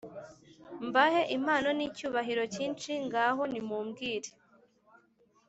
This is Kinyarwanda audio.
Mbahe impano n,icyubahiro cyinshi Ngaho nimumbwire